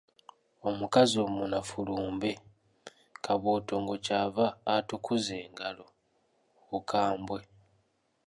Omukazi omunafu lumbe, Kabootongo, Kyava atukuza engalo, Bukambwe.